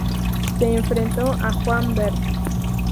Se enfrentó a Juan Bert.